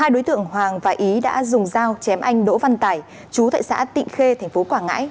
hai đối tượng hoàng và ý đã dùng dao chém anh đỗ văn tài chú tại xã tịnh khê tp quảng ngãi